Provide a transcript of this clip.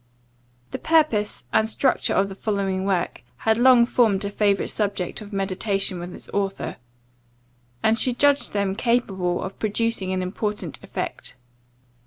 The purpose and structure of the following work, had long formed a favourite subject of meditation with its author, and she judged them capable of producing an important effect.